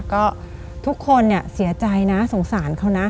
ก็ทุกคนเสียใจนะสงสารเขานะ